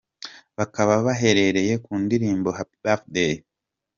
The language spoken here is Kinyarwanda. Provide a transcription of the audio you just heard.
Bakaba bahereye ku ndirimbo Happy Birthday.